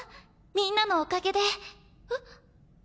みんなのおかげでえっ？